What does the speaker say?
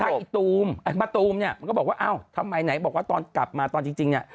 ไอ้ตูมไอ้มะตูมเนี่ยมันก็บอกว่าอ้าวทำไมไหนบอกว่าตอนกลับมาตอนจริงเนี่ย